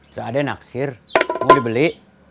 cak ade naksir mau dibeli